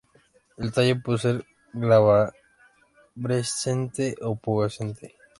El tallo puede ser glabrescente a pubescente.